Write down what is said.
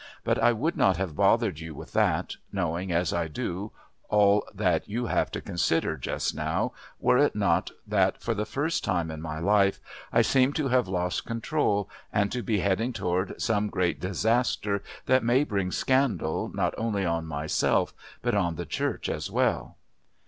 "But I would not have bothered you with that, knowing as I do all that you have to consider just now, were it not that for the first time in my life I seem to have lost control and to be heading toward some great disaster that may bring scandal not only on myself but on the Church as well."